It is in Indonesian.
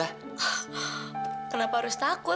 ah ah ah kenapa harus terbicara sama kita